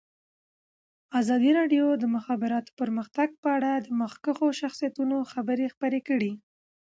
ازادي راډیو د د مخابراتو پرمختګ په اړه د مخکښو شخصیتونو خبرې خپرې کړي.